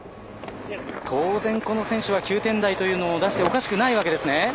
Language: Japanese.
当然この選手は９点台というのを出しておかしくないわけですね。